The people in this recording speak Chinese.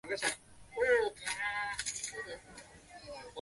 埃尔芒附近圣日耳曼人口变化图示